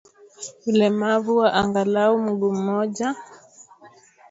Ulemavu wa angalau mguu mmoja